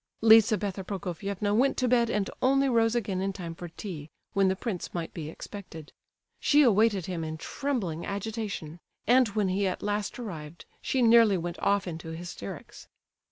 Lizabetha Prokofievna went to bed and only rose again in time for tea, when the prince might be expected. She awaited him in trembling agitation; and when he at last arrived she nearly went off into hysterics.